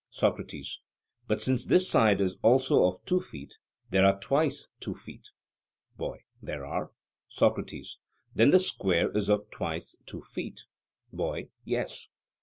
SOCRATES: But since this side is also of two feet, there are twice two feet? BOY: There are. SOCRATES: Then the square is of twice two feet? BOY: Yes.